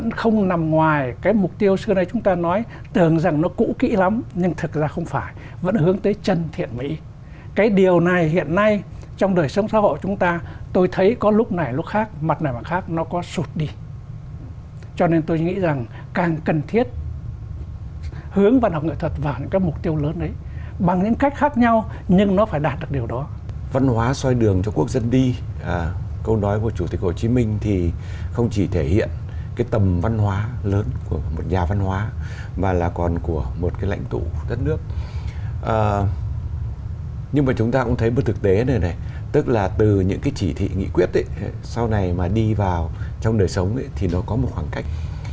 nhưng mà chúng ta cũng thấy bước thực tế này này tức là từ những cái chỉ thị nghị quyết sau này mà đi vào trong đời sống thì nó có một khoảng cách